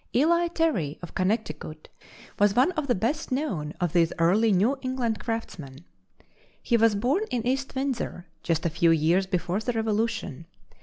Eli Terry of Connecticut was one of the best known of these early New England craftsmen. He was born in East Windsor, just a few years before the Revolution.